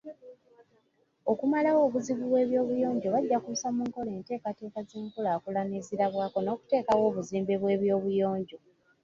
Okumalawo obuzibu bw'ebyobuyonjo, bajja kussa mu nkola enteekateeka z'enkulaakulana ezirabwako n'okuteekawo obuzimbe bw'ebyobuyonjo.